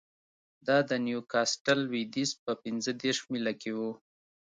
دا د نیوکاسټل لوېدیځ په پنځه دېرش میله کې و